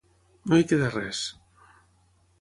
No hi queda res.